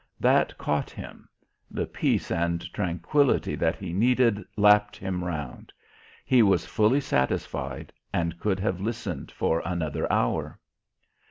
That caught him; the peace and tranquillity that he needed lapped him round; he was fully satisfied and could have listened for another hour.